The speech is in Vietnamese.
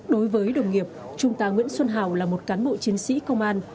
đối với đồng nghiệp trung tá nguyễn xuân hào là một cán bộ chiến sĩ công an